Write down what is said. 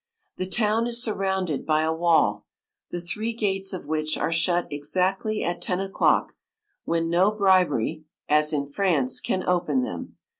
The town is surrounded by a wall, the three gates of which are shut exactly at ten o'clock, when no bribery (as in France) can open them.